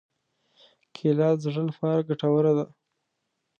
کېله د زړه لپاره ګټوره ده.